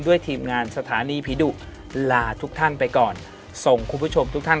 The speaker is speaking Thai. ทีมงานสถานีผีดุลาทุกท่านไปก่อนส่งคุณผู้ชมทุกท่าน